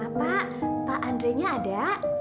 mbak pak andre nya ada